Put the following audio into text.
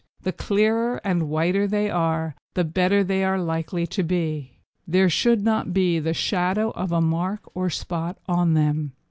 The clearer and whiter they are the better they are likely to be. There should not be the shadow of a mark or spot on them.